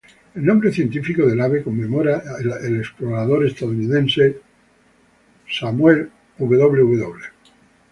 El nombre científico del ave conmemora al explorador estadounidense Samuel Washington Woodhouse.